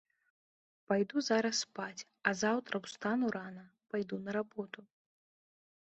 Пайду зараз спаць, а заўтра ўстану рана, пайду на работу.